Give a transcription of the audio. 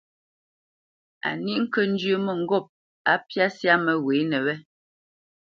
Á ní ŋkə́ njyə́ mə́ŋgôp á mbyá syâ məghwěnə wé.